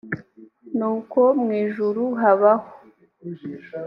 nuko mu ijuru habaho